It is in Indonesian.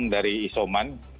datang dari isoman